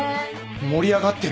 盛り上がってる。